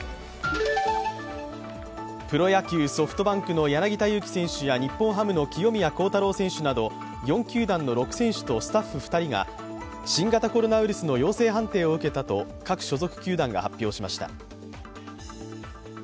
プロ野球・ソフトバンクの柳田悠岐選手や日本ハムの清宮幸太郎選手など４球団の６選手とスタッフ２人が新型コロナウイルスの陽性判定を受けたと各所属球団が発表しました。